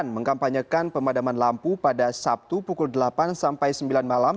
mengkampanyekan pemadaman lampu pada sabtu pukul delapan sampai sembilan malam